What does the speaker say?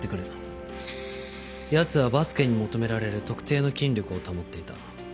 奴はバスケに求められる特定の筋力を保っていた。